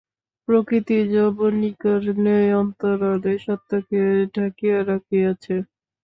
প্রকৃতিই যবনিকার ন্যায় অন্তরালে সত্যকে ঢাকিয়া রাখিয়াছে।